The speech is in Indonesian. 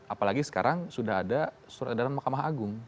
apalagi sekarang sudah ada surat edaran mahkamah agung